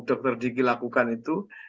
dokter digi lakukan itu